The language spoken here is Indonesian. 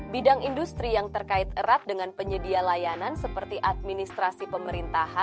bidang industri yang terkait erat dengan penyedia layanan seperti administrasi pemerintahan